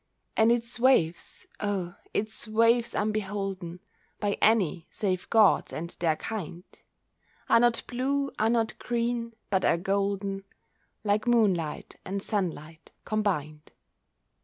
And its waves, oh, its waves unbeholden By any save gods, and their kind, Are not blue, are not green, but are golden, Like moonlight and sunlight combined.